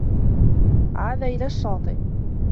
عاد إلى الشّاطئ.